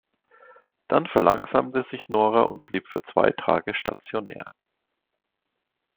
Dann verlangsamte sich Nora und blieb für zwei Tage stationär.